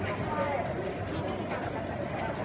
พี่แม่ที่เว้นได้รับความรู้สึกมากกว่า